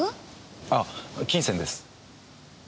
ああ金銭です。